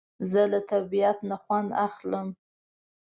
زه له طبیعت نه خوند اخلم